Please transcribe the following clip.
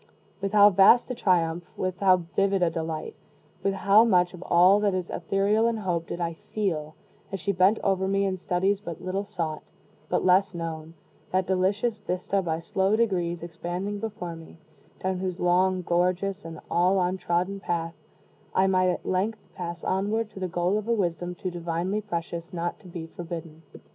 With how vast a triumph with how vivid a delight with how much of all that is ethereal in hope did I feel, as she bent over me in studies but little sought but less known, that delicious vista by slow degrees expanding before me, down whose long, gorgeous, and all untrodden path, I might at length pass onward to the goal of a wisdom too divinely precious not to be forbidden.